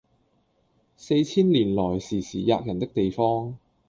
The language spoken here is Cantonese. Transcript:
四千年來時時喫人的地方，